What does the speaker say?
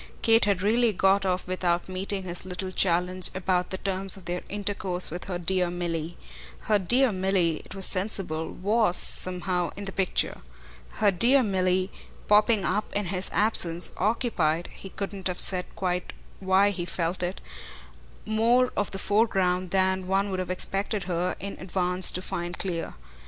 Kate had really got off without meeting his little challenge about the terms of their intercourse with her dear Milly. Her dear Milly, it was sensible, WAS somehow in the picture. Her dear Milly, popping up in his absence, occupied he couldn't have said quite why he felt it more of the foreground than one would have expected her in advance to find clear.